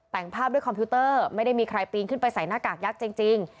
แต่งภาพด้วยคอมพิวเตอร์ไม่ได้มีใครปีนขึ้นไปใส่หน้ากากยักษ์จริง